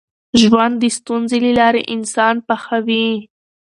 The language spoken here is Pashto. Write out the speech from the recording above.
ژوند د ستونزو له لارې انسان پخوي.